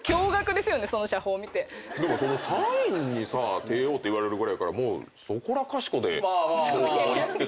でも社員にさ帝王って言われるぐらいやからもうそこらかしこで合コンは行ってた。